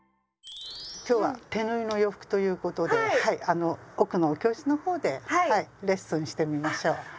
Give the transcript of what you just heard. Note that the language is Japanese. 今日は手縫いの洋服ということで奥のお教室の方でレッスンしてみましょう。